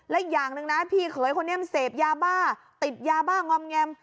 และอย่างหนึ่งนะพี่เขยคนนี้มันเสพยาบ้าติดยาบ้างอมแงม